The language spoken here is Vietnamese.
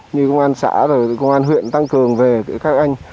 như công an xã và công an huyện tăng cường về các anh